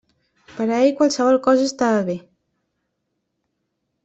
Per a ell qualsevol cosa estava bé.